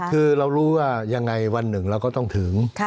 คือเรารู้ว่ายังไงวันหนึ่งเราก็ต้องถึง